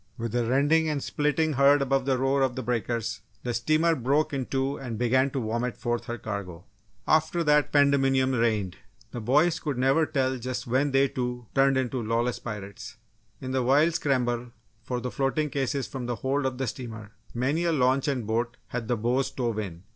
With a rending and splitting heard above the roar of the breakers, the steamer broke in two and began to vomit forth her cargo. After that pandemonium reigned. The boys could never tell just when they, too, turned into lawless pirates! In the wild scramble for the floating cases from the hold of the steamer, many a launch and boat had the bows stove in.